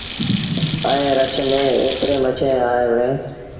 ائيٚݩٚ رڇ ميݩ ايتريݩ مڇيٚنٚ آئي وهُڙينٚ